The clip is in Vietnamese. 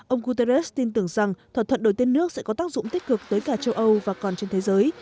ông guterres tin tưởng rằng thỏa thuận đổi tên nước sẽ có tác dụng tích cực tới cả châu âu và còn trên thế giới